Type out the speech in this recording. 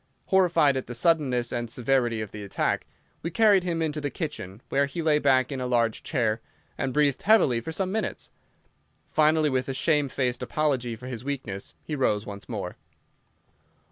Horrified at the suddenness and severity of the attack, we carried him into the kitchen, where he lay back in a large chair, and breathed heavily for some minutes. Finally, with a shamefaced apology for his weakness, he rose once more.